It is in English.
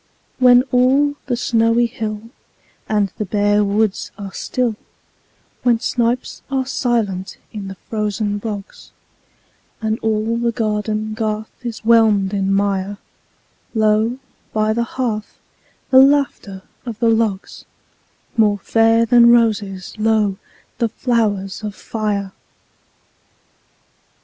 When all the snowy hill And the bare woods are still; When snipes are silent in the frozen bogs, And all the garden garth is whelmed in mire, Lo, by the hearth, the laughter of the logs— More fair than roses, lo, the flowers of fire!